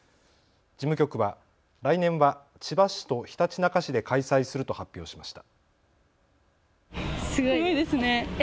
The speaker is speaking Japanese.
事務局は来年は千葉市とひたちなか市で開催すると発表しました。